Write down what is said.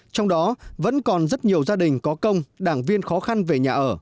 trong đó vẫn còn rất nhiều gia đình có công đảng viên khó khăn về nhà ở